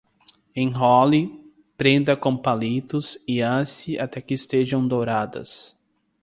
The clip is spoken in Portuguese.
Enrole, prenda com palitos, e asse até que estejam douradas.